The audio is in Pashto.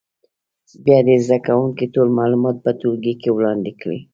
بیا دې زده کوونکي ټول معلومات په ټولګي کې وړاندې کړي.